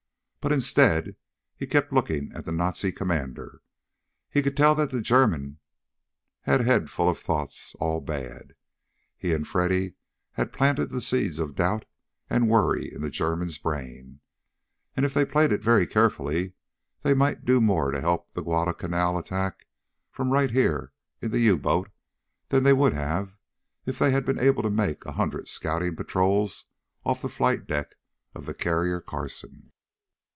but instead he kept looking at the Nazi commander. He could tell that the German had a head full of thoughts, all bad. He and Freddy had planted the seeds of doubt and worry in the German's brain. And if they played it very carefully they might do more to help the Guadalcanal attack from right here in the U boat than they would have if they had been able to make a hundred scouting patrols off the flight deck of the carrier Carson.